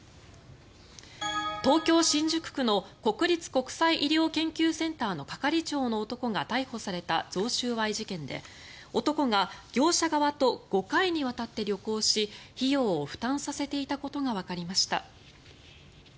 東京・新宿区の国立国際医療研究センターの係長の男が逮捕された贈収賄事件で男が、業者側と５回にわたって旅行し費用を負担させていたことがわかりました。